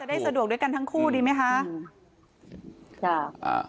ได้สะดวกด้วยกันทั้งคู่ดีไหมคะ